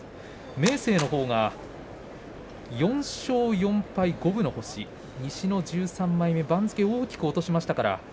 明生のほうは４勝４敗五分の星、西の１３枚目番付を落としています。